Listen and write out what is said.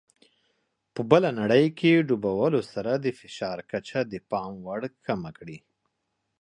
په بله نړۍ کې ډوبولو سره د فشار کچه د پام وړ کمه کړي.